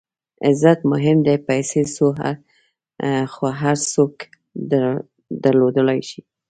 عزت مهم دئ، پېسې خو هر څوک درلودلای سي.